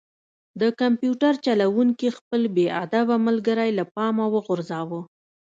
د کمپیوټر جوړونکي خپل بې ادبه ملګری له پامه وغورځاوه